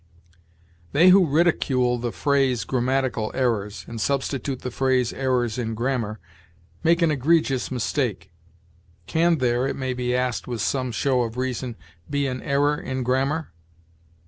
"They who ridicule the phrase grammatical errors, and substitute the phrase errors in grammar, make an egregious mistake. Can there, it may be asked with some show of reason, be an error in grammar?